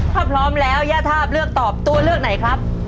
ถ้าพร้อมแล้วย่าทาบเลือกตอบตัวเลือกไหนครับ